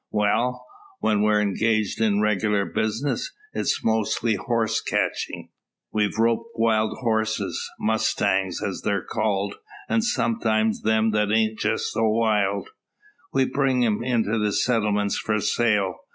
"Well; when we're engaged in regular business, it's mostly horse catchin'. We rope wild horses, mustangs, as they're called; an' sometimes them that ain't jest so wild. We bring 'em into the settlements for sale.